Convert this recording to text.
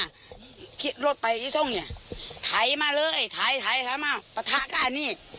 คิดรถไปที่ตรงเนี้ยไถมาเลยไถไถไถมาปะทะก็อันนี้